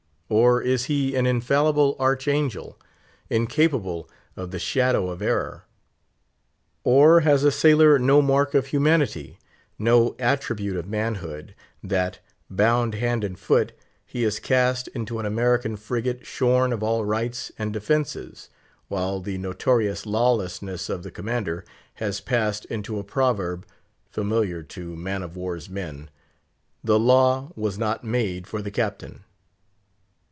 Or is he an infallible archangel, incapable of the shadow of error? Or has a sailor no mark of humanity, no attribute of manhood, that, bound hand and foot, he is cast into an American frigate shorn of all rights and defences, while the notorious lawlessness of the Commander has passed into a proverb, familiar to man of war's men, _the law was not made for the Captain!